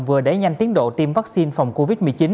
vừa đẩy nhanh tiến độ tiêm vaccine phòng covid một mươi chín